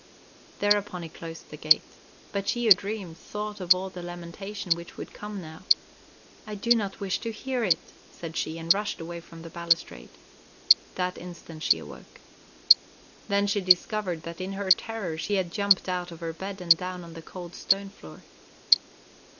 Thereupon he closed the gate. But she who dreamed thought of all the lamentation which would come now. "I do not wish to hear it," said she, and rushed away from the balustrade. That instant she awoke. Then she discovered that in her terror she had jumped out of her bed and down on the cold stone floor.